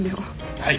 はい